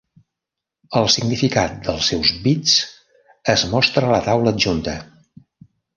El significat dels seus bits es mostra a la taula adjunta.